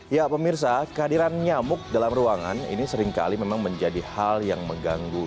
ya pemirsa kehadiran nyamuk dalam ruangan ini seringkali memang menjadi hal yang mengganggu